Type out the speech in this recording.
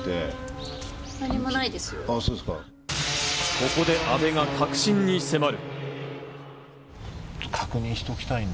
ここで阿部が核心に迫る。